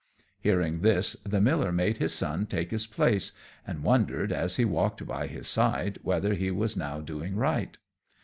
Hearing this the miller made his son take his place, and wondered, as he walked by his side, whether he was now doing right.